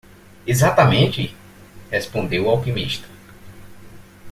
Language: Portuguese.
"Exatamente?" respondeu o alquimista.